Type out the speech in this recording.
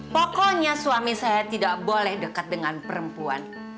pokoknya suami saya tidak boleh dekat dengan perempuan